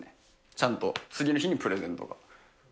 ちゃんと次の日プレゼントが。